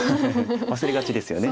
忘れがちですよね。